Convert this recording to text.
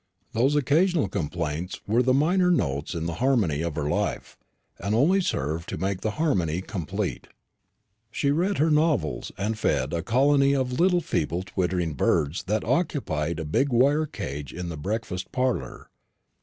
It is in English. Those occasional complaints were the minor notes in the harmony of her life, and only served to make the harmony complete. She read her novels, and fed a colony of little feeble twittering birds that occupied a big wire cage in the breakfast parlour.